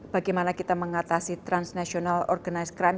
bagaimana kita mengatasi transnational organize crime